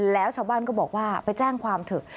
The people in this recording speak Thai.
แล้วชาวบ้านก็บอกว่าไปแจ้งความเถอะ